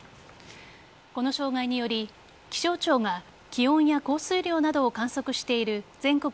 この障害により気象庁が気温や降水量などを観測している全国